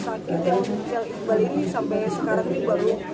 sakit yang cel iqbal ini sampai sekarang ini baru